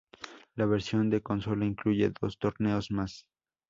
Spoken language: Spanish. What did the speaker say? La versión de consola incluye dos torneos más.